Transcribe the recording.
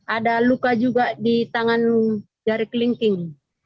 ada luka juga di tangan jari kelingking